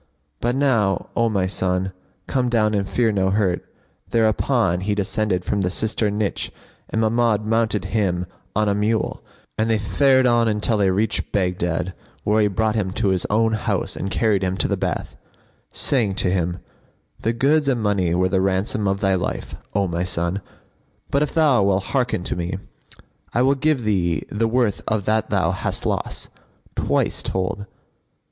But now, O my son, come down and fear no hurt." Thereupon he descended from the cistern niche and Mahmud mounted him on a mule, and they fared on till they reached Baghdad, where he brought him to his own house and carried him to the bath, saying to him, "The goods and money were the ransom of thy life, O my son; but, if thou wilt hearken to me, I will give thee the worth of that thou hast lost, twice told."